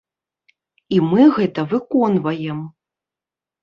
І мы гэта выконваем!